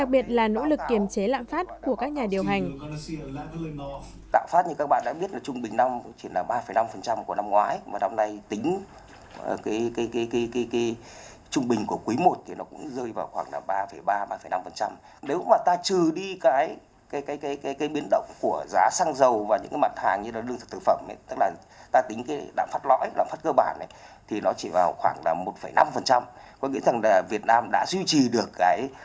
và đặc biệt là nỗ lực kiểm chế lãng phát của các nhà điều hành